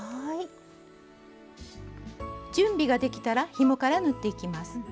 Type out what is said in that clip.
準備ができたらひもから縫っていきます。